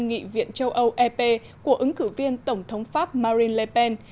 nghị viện châu âu ep của ứng cử viên tổng thống pháp marine le pen